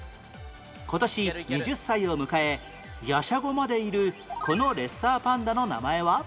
今年２０歳を迎え玄孫までいるこのレッサーパンダの名前は？